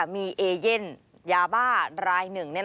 มีเอเย่นยาบ้ารายหนึ่ง